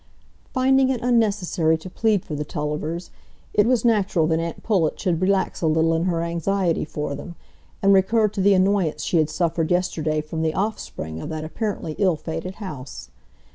Finding it unnecessary to plead for the Tullivers, it was natural that aunt Pullet should relax a little in her anxiety for them, and recur to the annoyance she had suffered yesterday from the offspring of that apparently ill fated house.